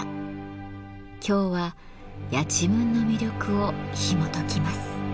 今日はやちむんの魅力をひもときます。